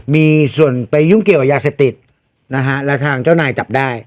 มีส่วนไปยุ่งเกี่ยวกับยาเสพติดนะฮะแล้วทางเจ้านายจับได้